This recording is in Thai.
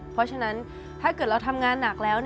เพราะฉะนั้นถ้าเกิดเราทำงานหนักแล้ว